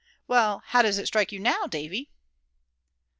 "Well, how does it strike you now, Davy?"